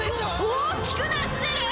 大きくなってる！